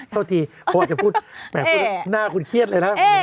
โทษทีผมอาจจะพูดแบบหน้าคุณเครียดเลยแล้ว